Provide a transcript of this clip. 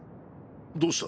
どうした？